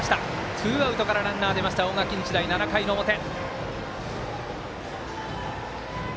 ツーアウトからランナー出ました大垣日大、７回の表。